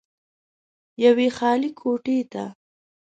يوې خالې کوټې ته